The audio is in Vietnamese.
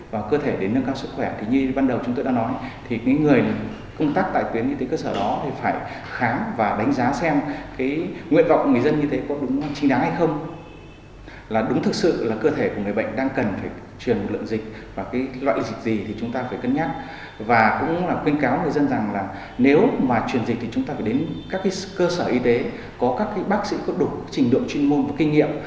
và cũng là khuyên cáo người dân rằng là nếu mà truyền dịch thì chúng ta phải đến các cơ sở y tế có các bác sĩ có đủ trình độ chuyên môn và kinh nghiệm